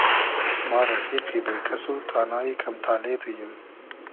ما رئفیقی بې کئس و تانای کئم تالې تو ییم